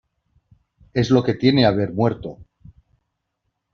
es lo que tiene haber muerto.